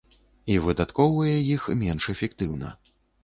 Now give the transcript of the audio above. І выдаткоўвае іх менш эфектыўна.